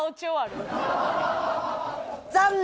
残念！